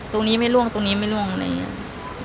ตรงนี้ไม่ล่วงตรงนี้ไม่ล่วงอะไรอย่างนี้